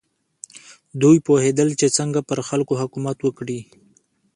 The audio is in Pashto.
دوی پوهېدل چې څنګه پر خلکو حکومت وکړي.